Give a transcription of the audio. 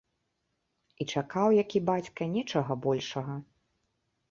І чакаў, як і бацька, нечага большага.